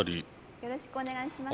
よろしくお願いします。